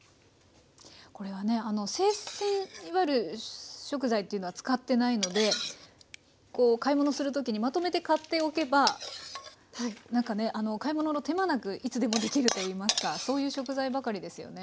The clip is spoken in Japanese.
これはね生鮮いわゆる食材っていうのは使ってないので買い物するときにまとめて買っておけば買い物の手間なくいつでもできるといいますかそういう食材ばかりですよね。